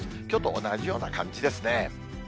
きょうと同じような感じですね。